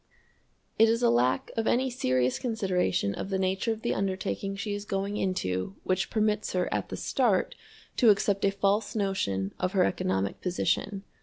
It is a lack of any serious consideration of the nature of the undertaking she is going into which permits her at the start to accept a false notion of her economic position.